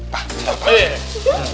pak bentar pak